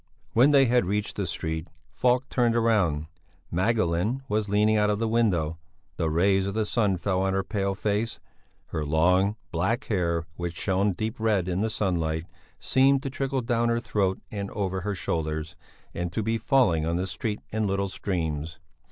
When they had reached the street, Falk turned round. Magdalene was leaning out of the window; the rays of the sun fell on her pale face; her long, black hair, which shone deep red in the sunlight, seemed to trickle down her throat and over her shoulders and to be falling on the street in little streams.